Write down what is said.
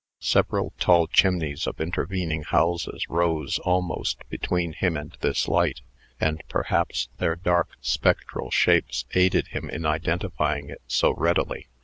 Several tall chimneys of intervening houses rose almost between him and this light, and, perhaps, their dark, spectral shapes aided him in identifying it so readily.